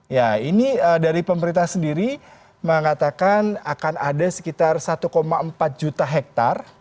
ya ini dari pemerintah sendiri mengatakan akan ada sekitar satu empat juta hektare